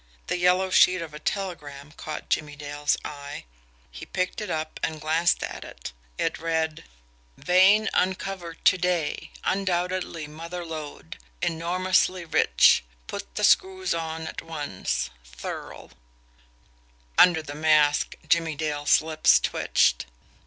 The yellow sheet of a telegram caught Jimmie Dale's eye. He picked it up and glanced at it. It read: "Vein uncovered to day. Undoubtedly mother lode. Enormously rich. Put the screws on at once. THURL." Under the mask, Jimmie Dale's lips twitched.